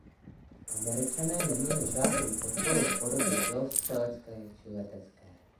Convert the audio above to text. Američané neměli žádnou podporu v podobě dělostřelecké či letecké.